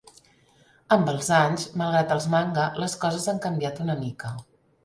Amb els anys, malgrat els Manga, les coses han canviat una mica.